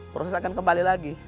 proses akan kembali lagi